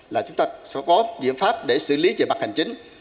là chúng ta sẽ có biện pháp để xử lý về mặt hành chính